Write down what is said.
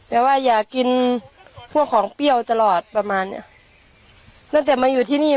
แบบว่าอยากกินพวกของเปรี้ยวตลอดประมาณเนี้ยตั้งแต่มาอยู่ที่นี่